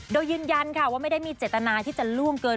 โดยยืนยันค่ะว่าไม่ได้มีเจตนาที่จะล่วงเกิน